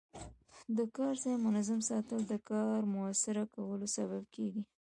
د کار ځای منظم ساتل د کار موثره کولو سبب کېږي.